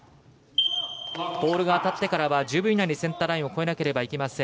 ボールが当たってからは１０秒以内にセンターラインを超えなければなりません。